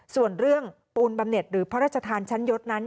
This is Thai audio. ส่วนเรื่องปูนบำเน็ตหรือพระราชทานชั้นยศนั้น